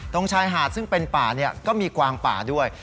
ชายหาดซึ่งเป็นป่าก็มีกวางป่าด้วย